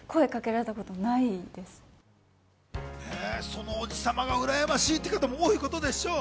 そのおじさまがうらやましいって方も多いことでしょう。